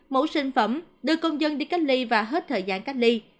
mẫu sinh phẩm đưa công dân đi cách ly và hết thời gian cách ly